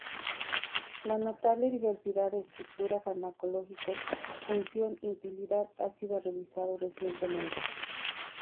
La notable diversidad de estructura farmacológico, función y utilidad ha sido revisado recientemente.